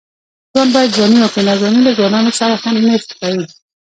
ځوان باید ځواني وکړي؛ ناځواني له ځوانانو سره نه ښايي.